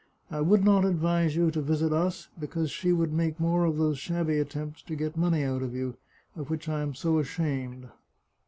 I would not advise you to visit us, because she would make more of those shabby attempts to get money out of you, of which I am so ashamed.